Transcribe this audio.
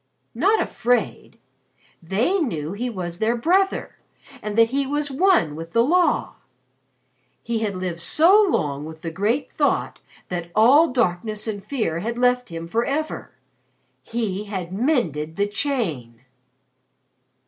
"Not afraid. They knew he was their brother, and that he was one with the Law. He had lived so long with the Great Thought that all darkness and fear had left him forever. He had mended the Chain."